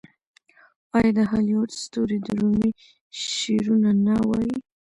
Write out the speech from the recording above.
آیا د هالیووډ ستوري د رومي شعرونه نه وايي؟